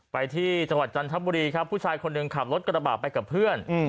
ไปที่จังหวัดจันทบุรีครับผู้ชายคนหนึ่งขับรถกระบาดไปกับเพื่อน